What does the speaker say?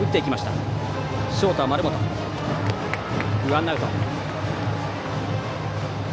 ワンアウト。